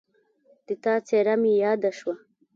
د تا څېره مې یاده شوه